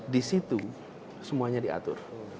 di situ semuanya diatur